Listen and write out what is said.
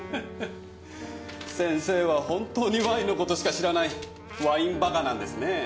先生は本当にワインの事しか知らない「ワインバカ」なんですねぇ。